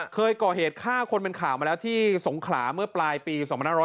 เคยก่อเหตุฆ่าคนเป็นข่าวมาแล้วที่สงขลาเมื่อปลายปี๒๕๖๐